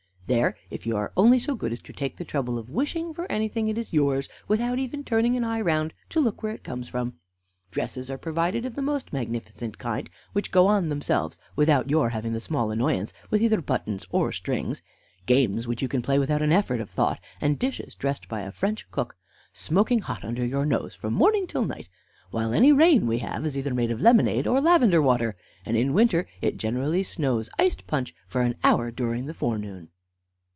There, if you are only so good as to take the trouble of wishing for anything, it is yours without even turning an eye round to look where it comes from. Dresses are provided of the most magnificent kind, which go on themselves, without your having the smallest annoyance with either buttons or strings; games which you can play without an effort of thought; and dishes dressed by a French cook, smoking hot under your nose, from morning till night; while any rain we have is either made of lemonade or lavender water, and in winter it generally snows iced punch for an hour during the forenoon."